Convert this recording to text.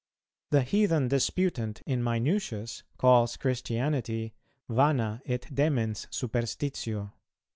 The heathen disputant in Minucius calls Christianity, "Vana et demens superstitio."